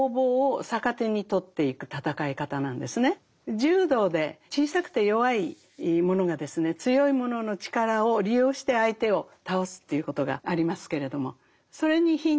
柔道で小さくて弱いものがですね強いものの力を利用して相手を倒すということがありますけれどもそれにヒントを得た考え方なんです。